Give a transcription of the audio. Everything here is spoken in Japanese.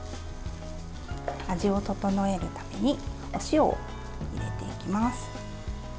味を調えるためにお塩を入れていきます。